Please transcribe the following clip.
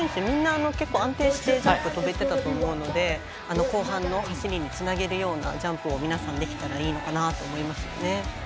みんな安定してジャンプ飛べてたと思うので後半の走りにつなげるようなジャンプを皆さん、できたらいいのかなと思いますね。